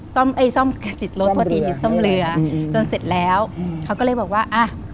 ซ่อมเอ้ยซ่อมกระจิตรถซ่อมเรือจนเสร็จแล้วอืมเขาก็เลยบอกว่าอ่ะ